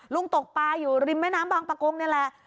ตกปลาอยู่ริมแม่น้ำบางประกงนี่แหละ